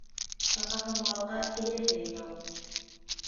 Сығаһы малға эйәһе яу.